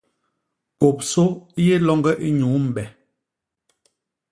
Kôp sô i yé loñge inyuu mbe.